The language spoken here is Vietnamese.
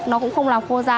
nó cũng không làm khô ra